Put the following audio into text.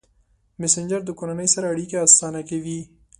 مسېنجر د کورنۍ سره اړیکه اسانه کوي.